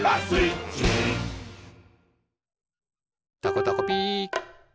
「たこたこピー」